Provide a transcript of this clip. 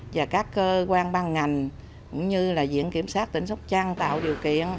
và các cơ quan ban ngành cũng như là diện kiểm soát tỉnh sóc trăng tạo điều kiện